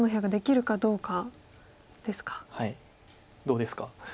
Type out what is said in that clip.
どうですか？